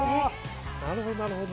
なるほどなるほど。